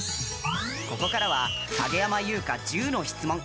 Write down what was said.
ここからは影山優佳１０の質問。